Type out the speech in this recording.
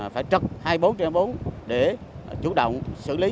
phải trật hai mươi bốn trên hai mươi bốn để chủ động xử lý